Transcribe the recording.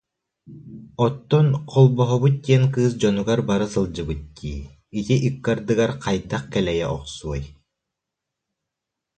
Оттон холбоһобут диэн кыыс дьонугар бара сылдьыбыт дии, ити ыккардыгар хайдах кэлэйэ охсуой